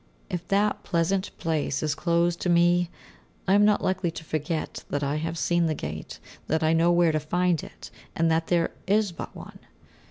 If that "pleasant place" is closed to me, I am not likely to forget that I have seen the gate, that I know where to find it, and that there is but one.